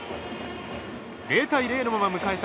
０対０のまま迎えた